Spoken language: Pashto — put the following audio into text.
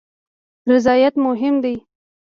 رضایت مهم دی